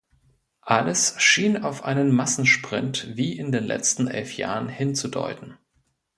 Alles schien auf einen Massensprint wie in den letzten elf Jahren hinzudeuten.